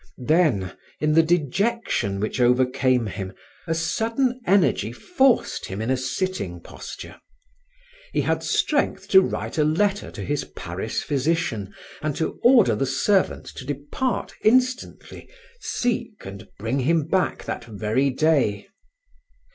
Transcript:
Then, in the dejection which overcame him, a sudden energy forced him in a sitting posture. He had strength to write a letter to his Paris physician and to order the servant to depart instantly, seek and bring him back that very day.